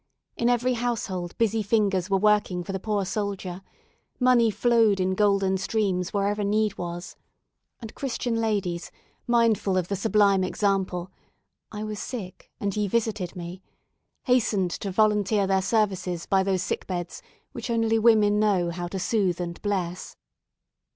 In every household busy fingers were working for the poor soldier money flowed in golden streams wherever need was and Christian ladies, mindful of the sublime example, "I was sick, and ye visited me," hastened to volunteer their services by those sick beds which only women know how to soothe and bless.